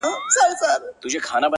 o شكر دى چي مينه يې په زړه كـي ده؛